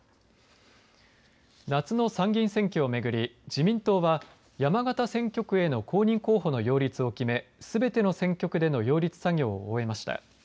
夏の参議院選挙をめぐり自民党は山形選挙区への公認候補の擁立を決めすべての選挙区での擁立作業を終えました。